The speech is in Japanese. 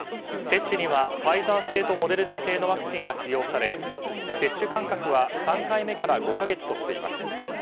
接種にはファイザー製とモデルナ製のワクチンが使用され接種間隔は３回目から５か月としています。